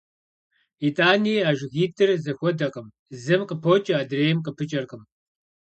ИтӀани а жыгитӏыр зэхуэдэкъым: зым къыпокӀэ, адрейм къыпыкӀэркъым.